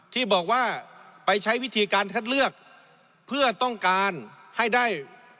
ที่บอกว่าไปใช้วิธีการคัดเลือกเพื่อต้องการให้ได้